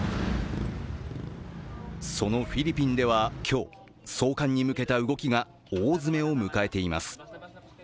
そのフィリピンでは今日送還に向けた動きが大詰めを迎えています。